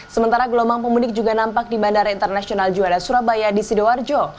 sementara gelombang pemudik juga nampak di bandara internasional juara surabaya di sidoarjo